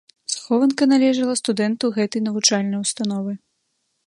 Схованка належала студэнту гэтай навучальнай установы.